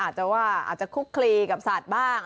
อาจจะคุกเครีกับสัตว์บ้าง